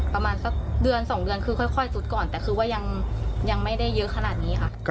ประมาณสักเดือน๒เดือนคือค่อยสุดก่อนแต่คือว่ายังไม่ได้เยอะขนาดนี้ค่ะ